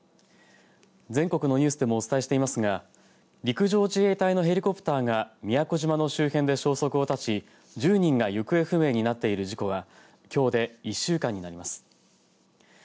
全国のニュースでもお伝えしていますが陸上自衛隊のヘリコプターが宮古島の周辺で消息を絶ち１０人が行方不明になっている事故はきょうで１週間になります。